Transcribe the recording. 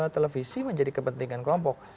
televisi menjadi kepentingan kelompok